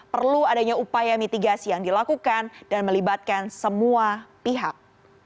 perlu adanya upaya mitigasi yang dilakukan dan melibatkan semua pihak